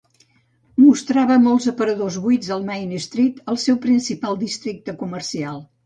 Mostrava molts aparadors buits al Main Street, el seu principal districte comercial.